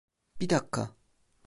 Bir dakika...